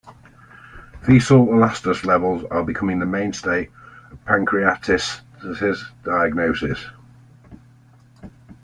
Faecal elastase levels are becoming the mainstay of pancreatitis diagnosis.